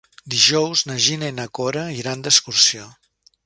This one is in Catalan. Dijous na Gina i na Cora iran d'excursió.